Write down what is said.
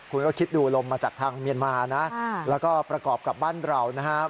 คุณก็คิดดูลมมาจากทางเมียนมานะแล้วก็ประกอบกับบ้านเรานะครับ